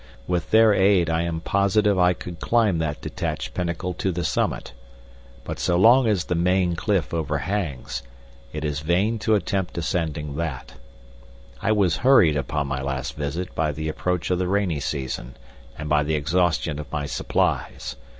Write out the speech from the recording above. With their aid I am positive I could climb that detached pinnacle to the summit; but so long as the main cliff overhangs, it is vain to attempt ascending that. I was hurried upon my last visit by the approach of the rainy season and by the exhaustion of my supplies.